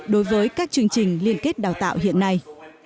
đối với các chương trình liên kết đào tạo hiện nay